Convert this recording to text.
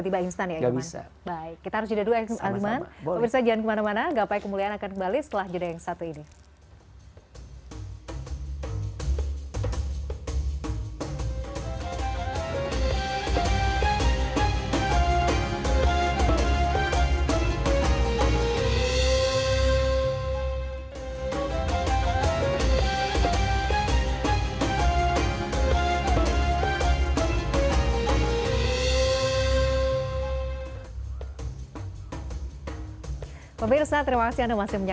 tidak langsung tiba tiba instan ya